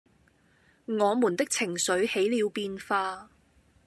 我們的情緒起了變化